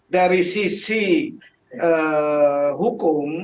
dari sisi hukum